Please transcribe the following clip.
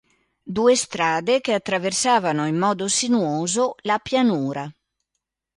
Due strade che attraversavano, in modo sinuoso, la pianura.